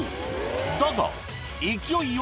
だが勢いよ